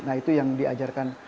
nah itu yang diajarkan